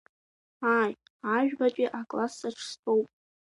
Ааи, ажәабатәи аклассаҿ стәоуп.